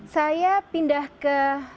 saya pindah ke